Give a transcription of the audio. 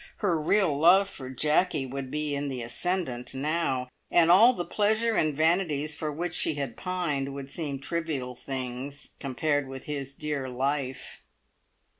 Her real love for "Jacky" would be in the ascendant now, and all the pleasure and vanities for which she had pined would seem trivial things, compared with his dear life.